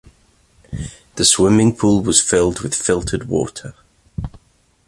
The swimming pool was filled with filtered water.